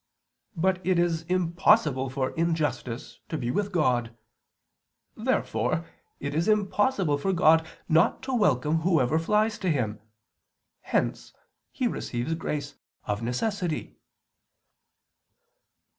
But it is impossible for injustice to be with God. Therefore it is impossible for God not to welcome whoever flies to Him. Hence he receives grace of necessity.